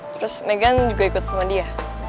terus meghan juga ikut sama dia